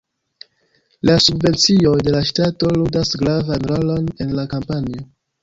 La subvencioj de la ŝtato ludas gravan rolon en la kampanjo.